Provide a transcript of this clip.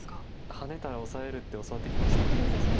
ハネたらオサえるって教わってきましたね。